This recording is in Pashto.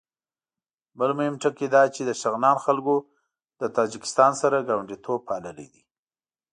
بل مهم ټکی دا چې د شغنان خلکو له تاجکستان سره ګاونډیتوب پاللی دی.